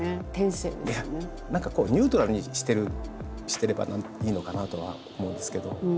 何かこうニュートラルにしてればいいのかなとは思うんですけど。